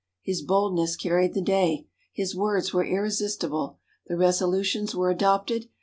His boldness carried the day. His words were irresistible. The resolutions were adopted.